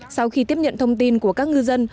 sau khi tiếp nhận thông tin của các ngư dân